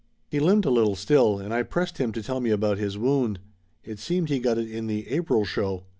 He limped a little still, and I pressed him to tell me about his wound. It seemed he got it in "the April show."